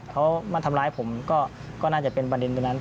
เขามาทำร้ายผมก็น่าจะเป็นประเด็นตรงนั้น